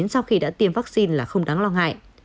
sau khi đã tiêm vaccine là không đáng lo ngại